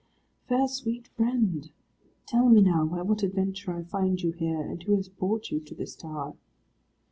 "Fair sweet friend, tell me now by what adventure I find you here, and who has brought you to this tower?"